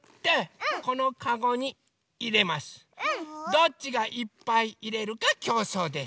どっちがいっぱいいれるかきょうそうです。